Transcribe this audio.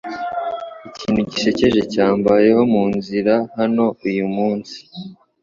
Ikintu gisekeje cyambayeho munzira hano uyumunsi.